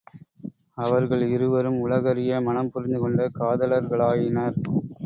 அவர்கள் இருவரும் உலகறிய மணம் புரிந்துகொண்ட காதலர்களாயினர்.